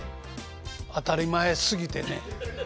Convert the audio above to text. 当たり前すぎてね